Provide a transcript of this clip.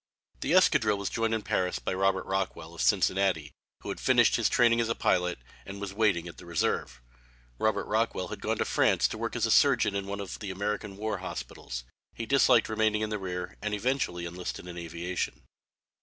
The escadrille was joined in Paris by Robert Rockwell, of Cincinnati, who had finished his training as a pilot, and was waiting at the Reserve (Robert Rockwell had gone to France to work as a surgeon in one of the American war hospitals. He disliked remaining in the rear and eventually enlisted in aviation).